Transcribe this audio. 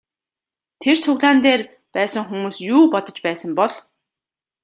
Тэр цуглаан дээр байсан хүмүүс юу бодож байсан бол?